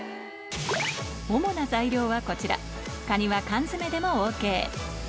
主な材料はこちら蟹は缶詰でもＯＫ